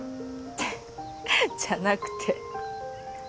じゃなくて。